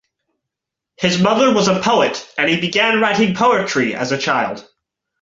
His mother was a poet and he began writing poetry as a child.